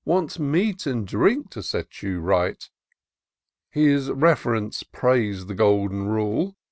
Wants meat and drink to set you right." His Rev'rence prais'd the golden rule.